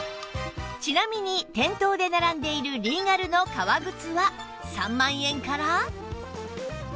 ちなみに店頭で並んでいるリーガルの革靴は３万円から